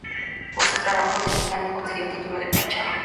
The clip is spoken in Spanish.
Por su trabajo el sultán le concedió el título de Pachá.